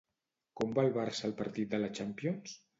Com va el Barça al partit de la Champions?